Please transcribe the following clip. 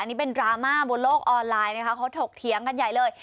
นี่เป็นดราม่าบนโลกออนไลน์นะคะเขาถกเถียงกันใหญ่เลย